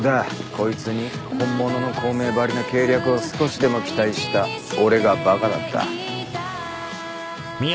こいつに本物の孔明ばりの計略を少しでも期待した俺がバカだった。